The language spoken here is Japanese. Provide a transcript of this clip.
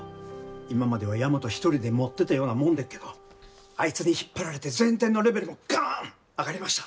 今までは大和一人でもってたようなもんでっけどあいつに引っ張られて全体のレベルもガン上がりました。